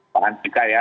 paham juga ya